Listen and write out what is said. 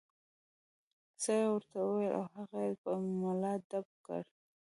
څه یې ورته وویل او هغه یې په ملا ډب کړ.